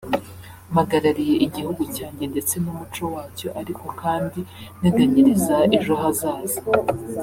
Mpagarariye igihugu cyanjye ndetse n’umuco wacyo ariko kandi nteganyiriza ejo hazaza